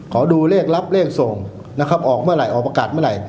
ขอดูเลขรับเลขส่งนะครับออกเมื่อไหร่ออกประกาศเมื่อไหร่